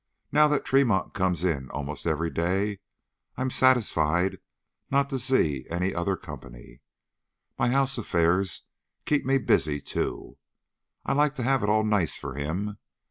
Now that Tremont comes in almost every day, I'm satisfied not to see any other company. My house affairs keep me busy too. I like to have it all nice for him.